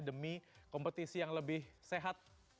demi kompetisi yang lebih sehat